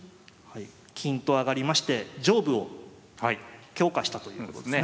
金と上がりまして上部を強化したということですね。